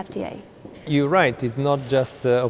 sự phát triển trong lần qua ba mươi năm